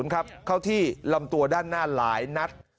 ๓๘๐ครับเข้าที่ลำตัวด้านหน้านัด